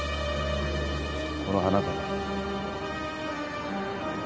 この花束。